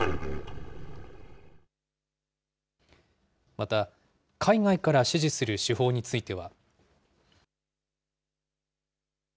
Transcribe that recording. また、海外から指示する手法については。